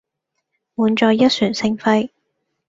滿載一船星輝